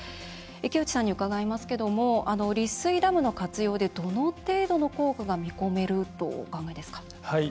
池内さんに伺いますけども利水ダムの活用で、どの程度の効果が見込めるとお考えですか。